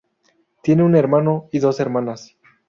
Tiene un hermano y dos hermanas.